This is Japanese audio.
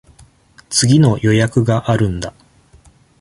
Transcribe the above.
次の予約があるんだ。